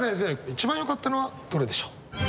一番よかったのはどれでしょう？